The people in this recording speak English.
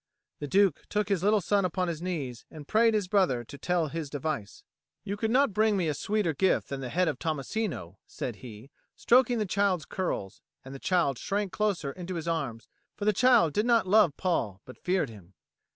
The Duke took his little son upon his knees and prayed his brother to tell his device. "You could not bring me a sweeter gift than the head of Tommasino," said he, stroking the child's curls; and the child shrank closer into his arms, for the child did not love Paul but feared him.